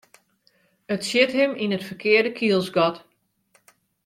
It sjit him yn it ferkearde kielsgat.